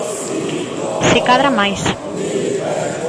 Se cadra máis.